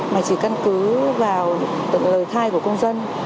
mà chỉ căn cứ vào lời thai của công dân